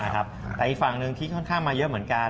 แต่อีกฝั่งหนึ่งที่ค่อนข้างมาเยอะเหมือนกัน